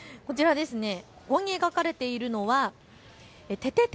ここに描かれているのはててて！